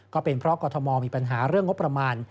ก็เป็นเพราะกรทมมีปัญหาเรื่องงบประมาณ